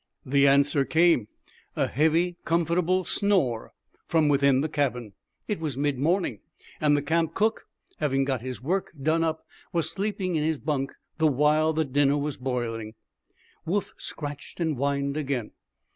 The answer came a heavy, comfortable snore from within the cabin. It was mid morning, and the camp cook, having got his work done up, was sleeping in his bunk the while the dinner was boiling. Woof scratched and whined again.